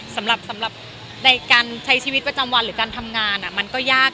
สำหรับในการใช้ชีวิตประจำวันหรือการทำงานมันก็ยาก